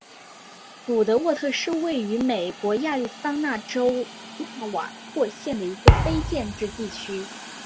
古德沃特是位于美国亚利桑那州纳瓦霍县的一个非建制地区。